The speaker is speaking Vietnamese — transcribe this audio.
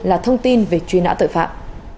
là thông tin về truy nã tội phạm